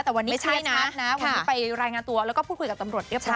แต่วันนี้ไม่ใช่นัดนะวันนี้ไปรายงานตัวแล้วก็พูดคุยกับตำรวจเรียบร้อ